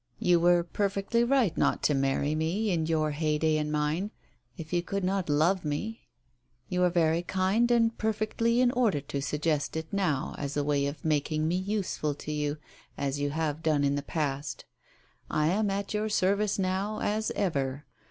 You were perfectly right not to marry me, in your heyday and mine, if you could not love me; you are very kind and perfectly in order to suggest it now, as a way of making me useful to you, as you have done in the past. I am at your service now, as ever.